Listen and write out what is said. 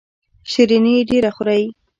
شیریني ډیره خورئ؟